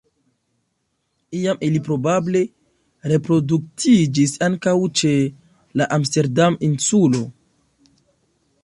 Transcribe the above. Iam ili probable reproduktiĝis ankaŭ ĉe la Amsterdam-Insulo.